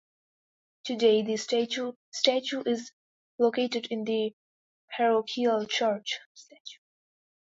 Today the statue is located in the parochial church.